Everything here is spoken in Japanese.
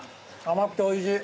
甘くておいしい。